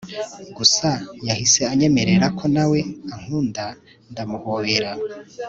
gusa yahise anyemerera ko nawe ankunda ndamuhobera